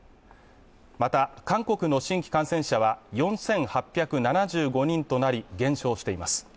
また韓国の新規感染者は４８７５人となり減少しています。